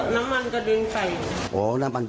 น้ำมันกระเด็นใส่